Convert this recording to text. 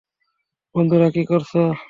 বন্ধুরা, কি করছো?